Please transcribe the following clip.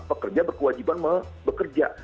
pekerja berkewajiban bekerja